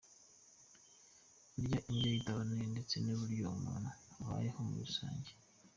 Kurya indyo itaboneye ndetse n’uburyo umuntu abayeho muri rusange.